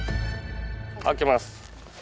開けます。